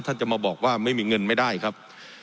จะมาบอกว่าไม่มีเงินไม่ได้ครับ